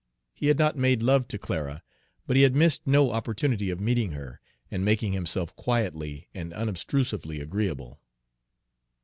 He had not made love to Clara, but he had missed no opportunity of meeting her and making himself quietly and unobtrusively agreeable.